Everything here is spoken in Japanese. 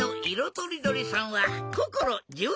とりどりさんはこころ１４さい。